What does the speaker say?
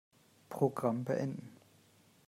Programm beenden.